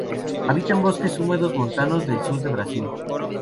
Habita en bosques húmedos montanos del sur de Brasil.